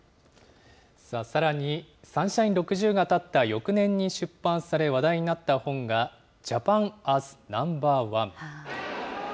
さらに、サンシャイン６０が建った翌年に出版され、話題になった本が、ジャパンアズナンバーワン。